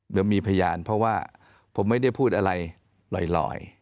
เดี๋ยวมีพยานเพราะว่าผมไม่ได้พูดอะไรลอย